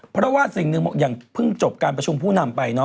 เพราะว่าสิ่งหนึ่งอย่างเพิ่งจบการประชุมผู้นำไป